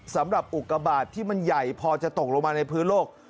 สำหรับอุกบาทที่มันใหญ่พอจะตกลงมาในพื้นโลก